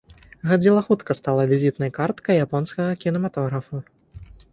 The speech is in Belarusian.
Гадзіла хутка стала візітнай карткай японскага кінематографу.